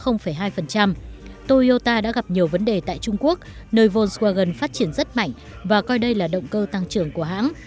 trong khi đó hãng toyota đã gặp nhiều vấn đề tại trung quốc nơi volkswagen phát triển rất mạnh và coi đây là động cơ tăng trưởng của hãng